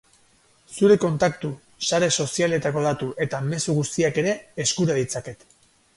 Zure kontaktu, sare sozialetako datu eta mezu guztiak ere eskura ditzaket.